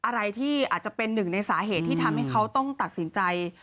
อะไรที่อาจจะเป็นหนึ่งในสาเหตุที่ทำให้เขาต้องตัดสินใจ